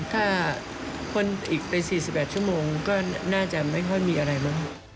ถ้าคนอีกไป๔๘ชั่วโมงก็น่าจะไม่ค่อยมีอะไรมั้ง